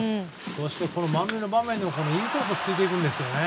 そして、満塁の場面でもインコースをついていく。